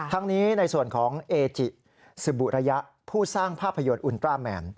ทั้งนี้ในส่วนของเอจิซบุระยะผู้สร้างภาพยนตร์อุลตราแมน